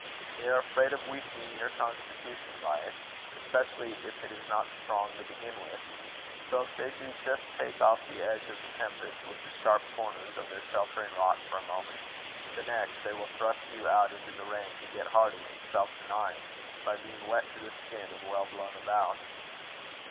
They are afraid of weakening your constitution by it, especially if it is not strong to begin with; so if they do just take off the edge of the tempest with the sharp corners of their sheltering rock for a moment, the next, they will thrust you out into the rain, to get hardy and self denying, by being wet to the skin and well blown about.